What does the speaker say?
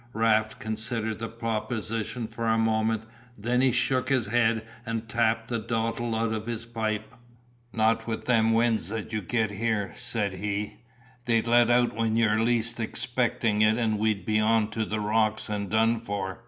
Raft considered the proposition for a moment, then he shook his head and tapped the dottle out of his pipe. "Not with them winds that get you here," said he, "they let out when you're least expecting it and we'd be on to the rocks and done for.